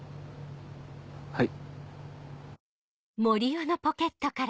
はい。